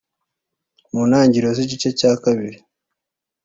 mu ntangiro z’igice cya kabiri